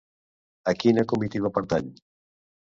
A quina comitiva pertany?